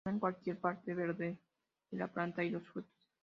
Comen cualquier parte verde de la planta y los frutos.